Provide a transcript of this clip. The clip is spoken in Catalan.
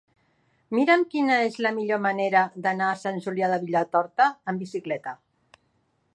Mira'm quina és la millor manera d'anar a Sant Julià de Vilatorta amb bicicleta.